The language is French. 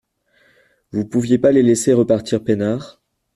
Vous pouviez pas les laisser repartir peinards ?